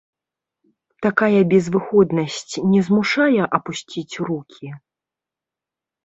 Такая безвыходнасць не змушае апусціць рукі?